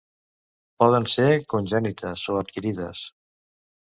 Poden ser congènites o adquirides.